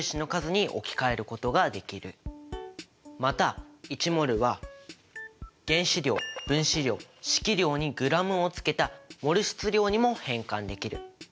また１ｍｏｌは原子量・分子量・式量にｇをつけたモル質量にも変換できる。